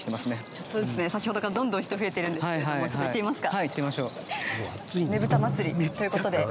ちょっとずつね、先ほどからどんどん人増えているんですけどちょっと行ってみますか。